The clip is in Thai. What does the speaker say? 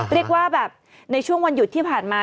เรียกว่าแบบในช่วงวันหยุดที่ผ่านมา